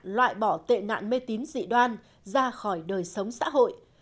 loại bỏ tệ nạn mê tín dị đoan ra khỏi đời sống xã hội